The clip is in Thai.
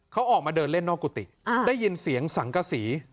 เขาออกมาเดินเล่นนอกกุฏิได้ยินเสียงสังกษี